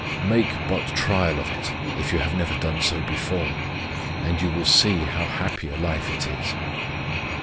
Make but trial of it, if you have never done so before, and you will see how happy a life it is.